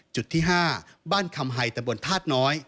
จุดที่๕บ้านคำไฮตะบนธาตุน้อย